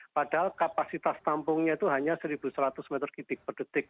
padahal kapasitas tampungnya itu hanya satu seratus meter kipik per detik